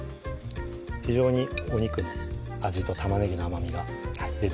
非常にお肉の味と玉ねぎの甘みが出てると思います